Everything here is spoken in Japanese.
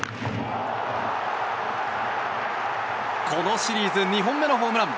このシリーズ２本目のホームラン！